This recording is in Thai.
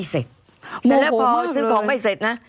เสร็จแล้วพอเขาซื้อของไม่เสร็จนะ